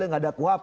tidak ada kuap